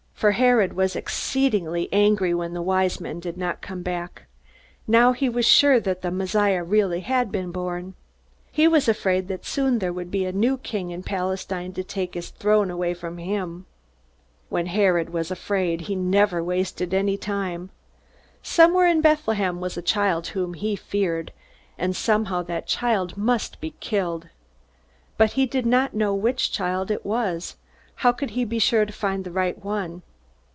For Herod was exceedingly angry when the Wise Men did not come back. Now he was sure that the Messiah really had been born! He was afraid that soon there would be a new king in Palestine to take his throne away from him. When Herod was afraid, he never wasted any time. Somewhere in Bethlehem was a child whom he feared, and somehow that child must be killed. But he did not know which child it was. How could he be sure to find the right one?